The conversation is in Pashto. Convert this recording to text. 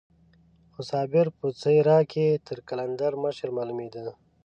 خو صابر په څېره کې تر قلندر مشر معلومېده.